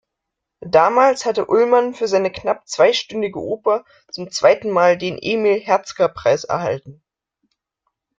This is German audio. Damals hatte Ullmann für seine knapp zweistündige Oper zum zweiten Mal den Emil-Hertzka-Preis erhalten.